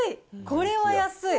これは安い。